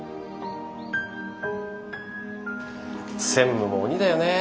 専務も鬼だよね。